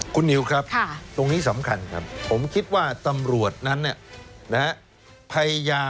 คุณนิวครับตรงนี้สำคัญครับผมคิดว่าตำรวจนั้นพยายาม